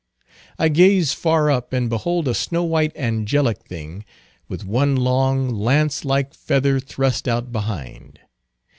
I gaze far up, and behold a snow white angelic thing, with one long, lance like feather thrust out behind.